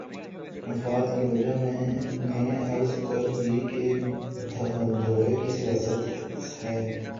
مفاد کی وجہ میں نے عرض کر دی کہ دھڑے کی سیاست ہے۔